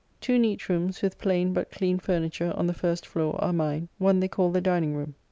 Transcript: Two neat rooms, with plain, but clean furniture, on the first floor, are mine; one they call the dining room.